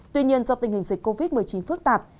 tuy nhiên do tình hình dịch covid một mươi chín phức tạp